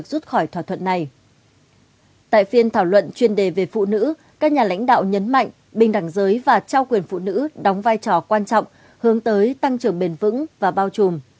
tại phiên thảo luận chuyên đề về phụ nữ các nhà lãnh đạo nhấn mạnh bình đẳng giới và trao quyền phụ nữ đóng vai trò quan trọng hướng tới tăng trưởng bền vững và bao trùm